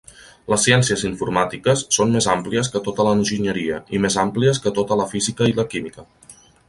Les ciències informàtiques són més àmplies que tota l'enginyeria, i més àmplies que tota la física i la química.